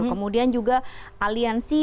kemudian juga aliansi